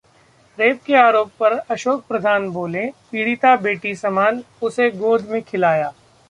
rape के आरोप पर अशोक प्रधान बोले- पीड़िता बेटी समान, उसे गोद में खिलाया